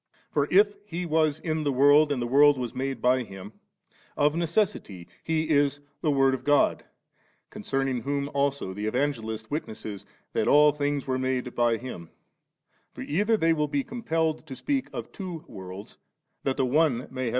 For if * He was in the world, and the world was made by Him «,' of necessity He is the Word of God, concerning whom also the Evangelist witnesses that all things were made by Hint For either they will be compelled to speak of two worlds, that the one may have s John xU.